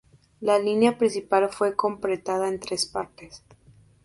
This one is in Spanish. La línea principal fue completada en tres partes.